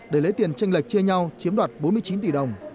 để lấy tiền tranh lệch chia nhau chiếm đoạt bốn mươi chín tỷ đồng